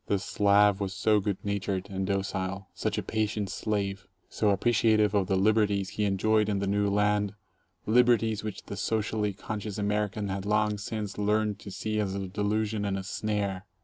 The Slav was so good natured, and docile, such a patient slave, so appreciative of the liberties he enjoyed in the new land — "liberties" which the socially conscious American had long since learned to see as a delusion and a snare.